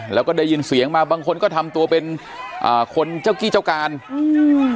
แล้วก็ได้ยินเสียงมาบางคนก็ทำตัวเป็นอ่าคนเจ้ากี้เจ้าการอืม